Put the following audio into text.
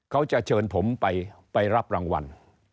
เขาจะเชิญผมไปรับรางวัล